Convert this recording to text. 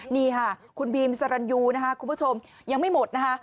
นี่ค่ะคุณบีมสรรยูนะคะคุณผู้ชมยังไม่หมดนะคะ